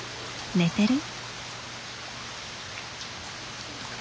寝てる？